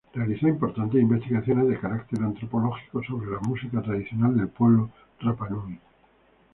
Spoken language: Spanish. Realizó importantes investigaciones de carácter antropológico sobre la música tradicional del pueblo rapanui.